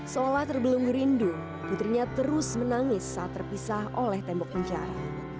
seolah terbelung rindu putrinya terus menangis saat terpisah oleh tembok penjara